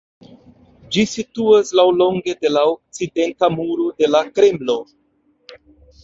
Ĝi situas laŭlonge de la okcidenta muro de la Kremlo.